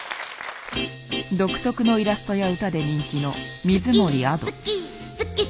独特のイラストや歌で人気の水森亜土。